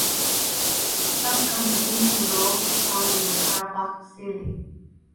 Such compositions are also found in the Karabakh zili.